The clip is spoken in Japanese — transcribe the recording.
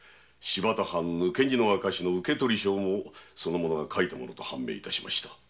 抜け荷の証の受取書もその者が書いたと判明致しました。